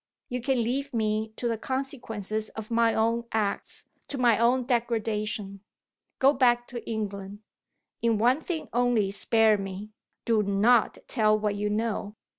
You can leave me to the consequences of my own acts to my own degradation. Go back to England. In one thing only spare me. Do not tell what you know.